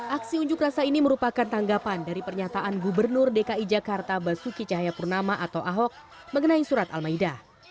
aksi unjuk rasa ini merupakan tanggapan dari pernyataan gubernur dki jakarta basuki cahayapurnama atau ahok mengenai surat al maida